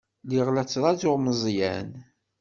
Lliɣ la ttṛajuɣ Meẓyan.